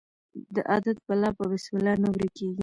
د عادت بلا په بسم الله نه ورکیږي.